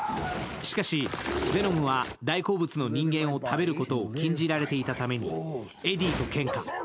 しかし、ヴェノムは大好物の人間を食べることを禁じられていたためにエディとけんか。